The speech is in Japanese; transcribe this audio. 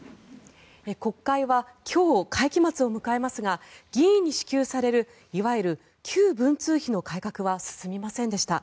国会は今日会期末を迎えますが議員に支給されるいわゆる旧文通費の改革は進みませんでした。